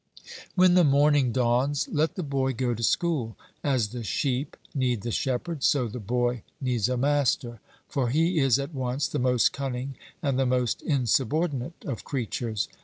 When the morning dawns, let the boy go to school. As the sheep need the shepherd, so the boy needs a master; for he is at once the most cunning and the most insubordinate of creatures.